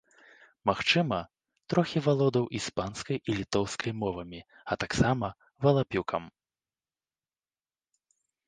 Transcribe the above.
Магчыма, трохі валодаў іспанскай і літоўскай мовамі, а таксама валапюкам.